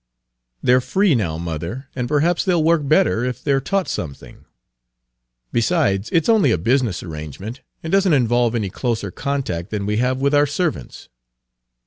"They're free now, mother, and perhaps they'll work better if they're taught something. Page 273 Besides, it 's only a business arrangement, and doesn't involve any closer contact than we have with our servants."